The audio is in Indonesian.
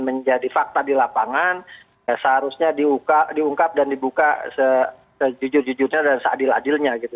menjadi fakta di lapangan seharusnya diungkap dan dibuka sejujur jujurnya dan seadil adilnya gitu